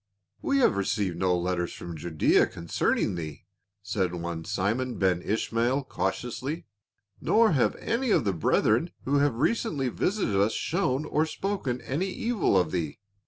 "We have received no letters from Judaea concern ing thee," said one Simon Ben Ishmael cautiously, " nor have any of the brethren who have recently visited us shown or spoken any evil of thee.